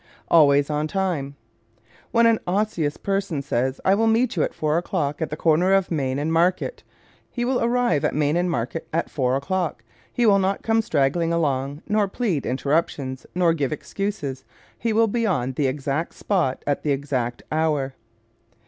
Always on Time ¶ When an Osseous person says, "I will meet you at four o'clock at the corner of Main and Market," he will arrive at Main and Market at four o'clock. He will not come straggling along, nor plead interruptions, nor give excuses. He will be on the exact spot at the exact hour.